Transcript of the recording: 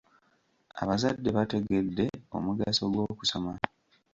Abazadde bategedde omugaso gw'okusoma.